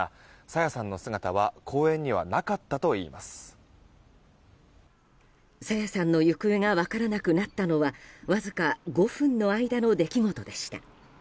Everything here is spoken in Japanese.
朝芽さんの行方が分からなくなったのはわずか５分の間の出来事でした。